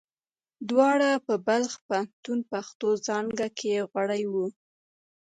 دواړه په بلخ پوهنتون پښتو څانګه کې غړي وو.